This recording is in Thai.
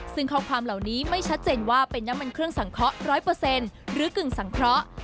ซึ่งข้อความเหล่านี้ไม่ชัดเจนว่าเป็นน้ำมันเครื่องสังเคราะห์๑๐๐หรือกึ่งสังเคราะห์